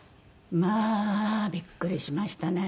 まあびっくりしましたね。